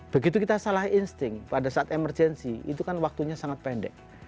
begitu kita salah insting pada saat emergensi itu kan waktunya sangat pendek